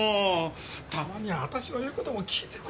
たまには私の言う事も聞いてくれ。